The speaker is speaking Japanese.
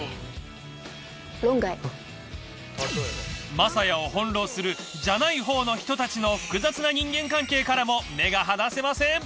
雅也を翻弄するじゃない方の人たちの複雑な人間関係からも目が離せません。